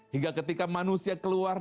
hingga ketika manusia keluar